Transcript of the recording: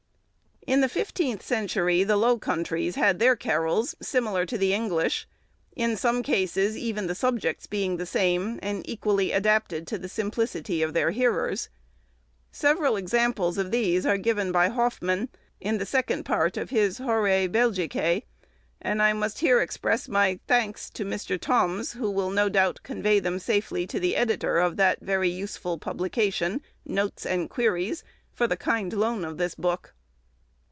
In the fifteenth century, the Low Countries had their carols, similar to the English; in some cases, even the subjects being the same, and equally adapted to the simplicity of their hearers. Several examples of these are given by Hoffman, in the second part of his Horæe Belgicæe; and I must here express my thanks to Mr. Thoms, who will, no doubt, convey them safely to the editor of that very useful publication, 'Notes and Queries,' for the kind loan of this book.